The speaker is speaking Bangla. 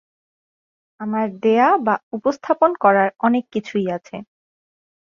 আমাদের দেয়া বা উপস্থাপন করার অনেক কিছুই আছে।